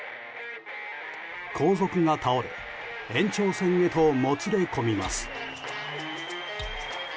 後続が倒れ延長戦へともつれ込みます。